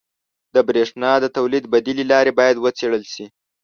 • د برېښنا د تولید بدیلې لارې باید وڅېړل شي.